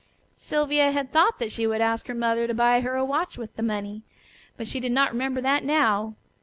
Sylvia had thought that she would ask her mother to buy her a watch with the money, but she did not remember that now.